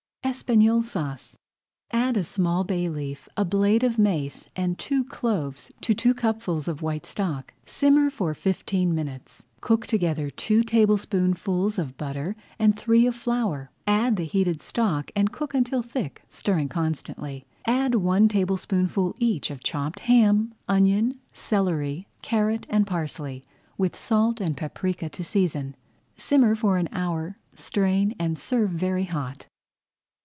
ESPAGNOLE SAUCE Add a small bay leaf, a blade of mace, and [Page 23] two cloves, to two cupfuls of white stock. Simmer for fifteen minutes. Cook together two tablespoonfuls of butter and three of flour; add the heated stock and cook until thick, stirring constantly. Add one tablespoonful each of chopped ham, onion, celery, carrot, and parsley, with salt and paprika to season. Simmer for an hour, strain, and serve very hot.